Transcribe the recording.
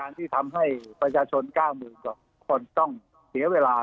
การที่ทำให้ประชาชนก้าวหมื่นคนต้องเสียเวลา